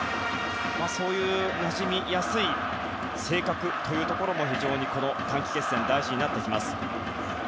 そういうなじみやすい性格というところも非常に短期決戦では大事になってきます。